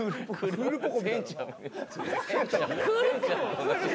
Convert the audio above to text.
クールポコ。